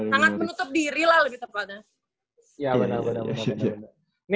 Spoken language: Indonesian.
sangat menutup diri lah lebih tepatnya